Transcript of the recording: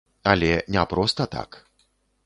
Але не проста так.